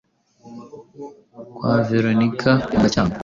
kwa Veronika mu Gacyamo,